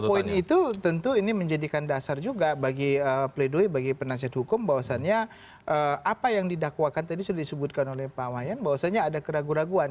poin itu tentu ini menjadikan dasar juga bagi pledoi bagi penasihat hukum bahwasannya apa yang didakwakan tadi sudah disebutkan oleh pak wayan bahwasannya ada keraguan keraguan